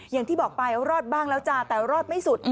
อย่างที่บอกไปรอดบ้างแล้วจ้าแต่รอดไม่สุด